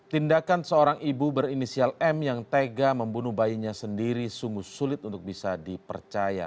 tindakan seorang ibu berinisial m yang tega membunuh bayinya sendiri sungguh sulit untuk bisa dipercaya